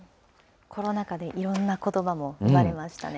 コロナ禍でいろんなことばも生まれましたね。